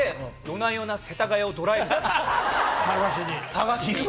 探しに。